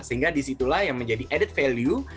sehingga disitulah yang menjadi added value